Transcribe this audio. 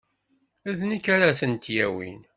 D nekk ara tent-yawin.